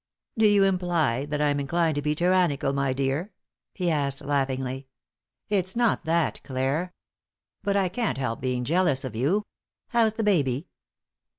"Do you imply that I am inclined to be tyrannical, my dear?" he asked, laughingly. "It's not that, Clare. But I can't help being jealous of you. How's the baby?"